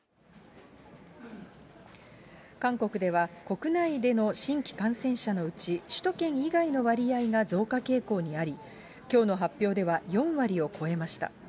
韓国では、国内での新規感染者のうち、首都圏以外の割合が増加傾向にあり、きょうの発表では４割を超えました。